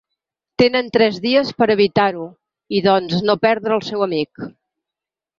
Tenen tres dies per a evitar-ho i, doncs, no perdre el seu amic.